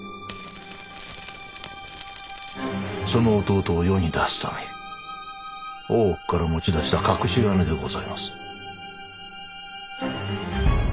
その弟を世に出すため大奥から持ち出した隠し金でございます。